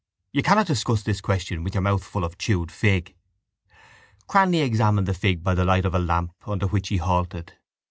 You cannot discuss this question with your mouth full of chewed fig. Cranly examined the fig by the light of a lamp under which he halted.